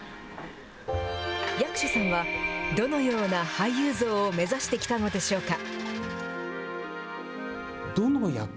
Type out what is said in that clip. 役所さんは、どのような俳優像を目指してきたのでしょうか。